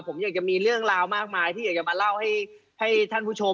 ผมอยากจะมีเรื่องราวมากมายที่อยากจะมาเล่าให้ท่านผู้ชม